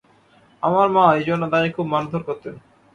আমার মা এই জন্যে তাকে খুব মারধোর করতেন।